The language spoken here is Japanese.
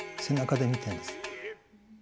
背中で見てるんです。